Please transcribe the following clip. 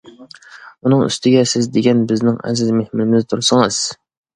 ئۇنىڭ ئۈستىگە سىز دېگەن بىزنىڭ ئەزىز مېھمىنىمىز تۇرسىڭىز.